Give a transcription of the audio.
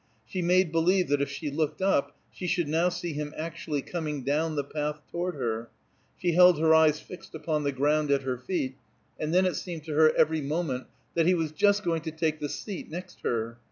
She made believe that if she looked up, she should now see him actually coming down the path toward her; she held her eyes fixed upon the ground at her feet, and then it seemed to her every moment that he was just going to take the seat next her.